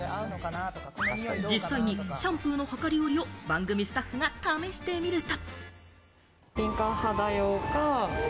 実際にシャンプーの量り売りを番組スタッフが試してみると。